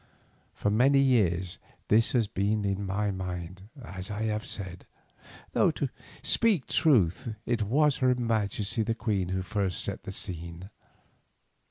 For many years this has been in my mind, as I have said, though to speak truth it was her Majesty the Queen who first set the seed.